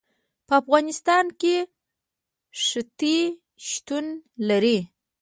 په افغانستان کې ښتې شتون لري.